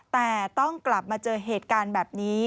แต่ต้องกลับมาเจอเหตุการณ์แบบนี้